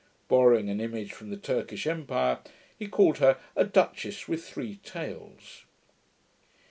Borrowing an image from the Turkish empire, he called her a 'Duchess with three tails'.